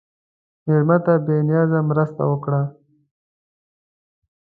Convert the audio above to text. مېلمه ته بې نیازه مرسته وکړه.